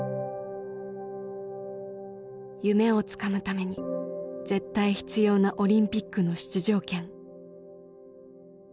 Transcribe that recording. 夢をつかむために絶対必要なオリンピックの出場権。